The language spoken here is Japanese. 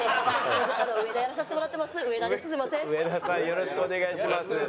よろしくお願いします。